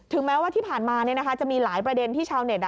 แม้ว่าที่ผ่านมาจะมีหลายประเด็นที่ชาวเน็ต